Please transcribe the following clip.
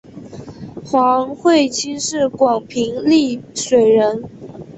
黄晦卿是广平丽水人。